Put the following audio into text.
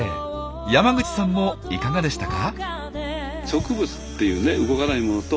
山口さんもいかがでしたか？